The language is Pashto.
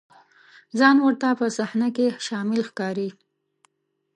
ځان ورته په صحنه کې شامل ښکاري.